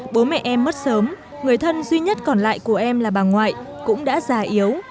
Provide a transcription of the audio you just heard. bố mẹ em mất sớm người thân duy nhất còn lại của em là bà ngoại cũng đã già yếu